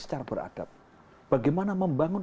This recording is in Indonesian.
secara beradab bagaimana membangun